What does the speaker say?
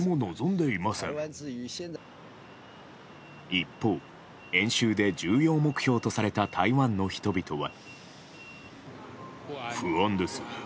一方、演習で重要目標とされた台湾の人々は。